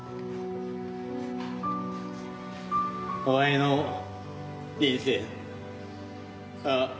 お前の人生あっ。